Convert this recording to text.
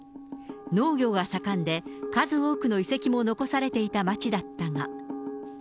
農業が盛んで、数多くの遺跡も残されていた町だったが。